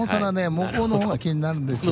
向こうの方が気になるんですよ。